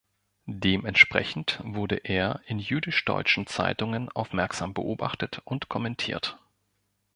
Dementsprechend wurde er in jüdisch-deutschen Zeitungen aufmerksam beobachtet und kommentiert.